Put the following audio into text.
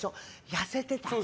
痩せてた。